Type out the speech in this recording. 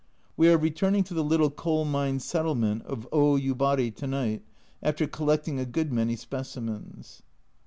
We are returning to the little coal mine settlement of Oyubari to night, after collecting a good many specimens.